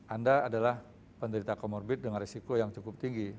anda adalah penderita comorbid dengan risiko yang cukup tinggi